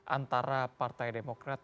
antara partai demokrat